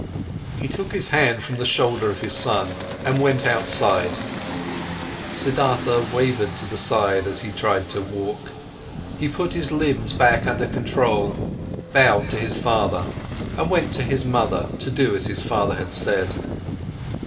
He took his hand from the shoulder of his son and went outside. Siddhartha wavered to the side, as he tried to walk. He put his limbs back under control, bowed to his father, and went to his mother to do as his father had said.